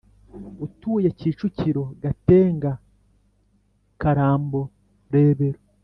utuye Kicukiro Gatenga Karambo Rebero